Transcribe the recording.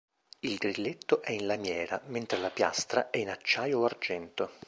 Il grilletto è in lamiera mentre la piastra è in acciaio o argento.